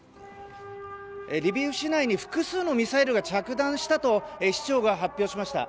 リビウ市内に複数のミサイルが着弾したと市長が発表しました。